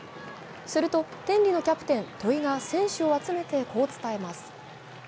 すると、天理のキャプテン・戸井が選手を集めて、こう伝えます。